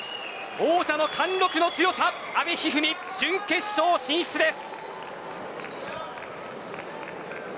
王者の貫禄の強さ、阿部一二三準決勝進出です。